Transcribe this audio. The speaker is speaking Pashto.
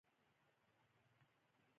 خلک فکر کوي چې پلار د کور واکمن دی